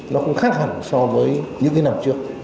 nó cũng khác hẳn so với những năm trước